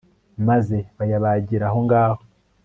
maze bayabagira aho ngaho